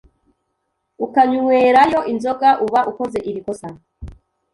ukanywerayo inzoga uba ukoze iri kosa